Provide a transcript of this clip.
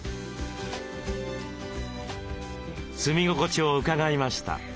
住み心地を伺いました。